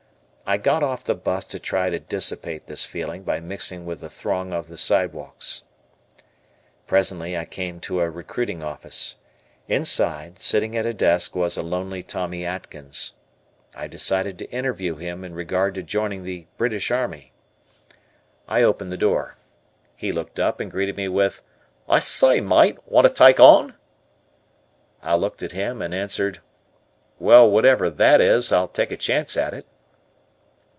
I got off the bus to try to dissipate this feeling by mixing with the throng of the sidewalks. Presently I came to a recruiting office. Inside, sitting at a desk was a lonely Tommy Atkins. I decided to interview him in regard to joining the British Army. I opened the door. He looked up and greeted me with "I s'y, myte, want to tyke on?" I looked at him and answered, "Well, whatever that is, I'll take a chance at it."